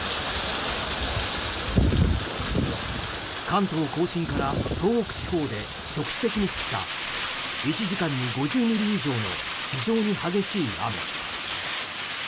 関東・甲信から東北地方で局地的に降った１時間に５０ミリ以上の非常に激しい雨。